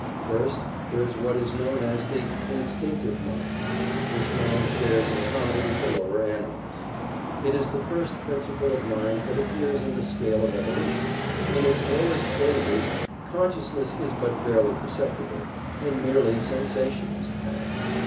First, there is what is known as the Instinctive Mind, which man shares in common with the lower animals. It is the first principle of mind that appears in the scale of evolution. In its lowest phases, consciousness is but barely perceptible, and mere sensation is apparent.